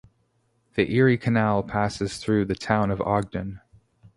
The Erie Canal passes through the Town of Ogden.